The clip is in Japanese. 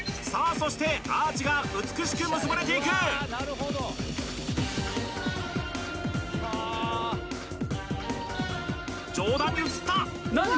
そしてアーチが美しく結ばれていく上段に移った